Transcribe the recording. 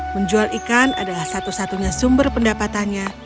menjual ikan adalah satu satunya sumber pendapatannya